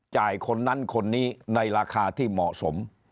คนนั้นคนนี้ในราคาที่เหมาะสม